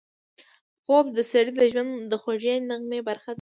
خوب د سړي د ژوند د خوږې نغمې برخه ده